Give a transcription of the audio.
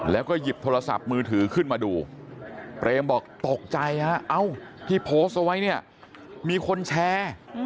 แล้วก็หยิบโทรศัพท์มือถือขึ้นมาดูเปรมบอกตกใจฮะเอ้าที่โพสต์เอาไว้เนี่ยมีคนแชร์